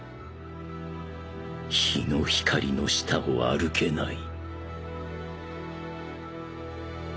［日の光の下を歩けない］